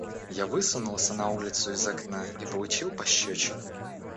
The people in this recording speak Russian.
Я высунулся на улицу из окна и получил пощёчину.